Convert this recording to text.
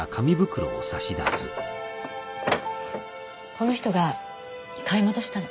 この人が買い戻したの。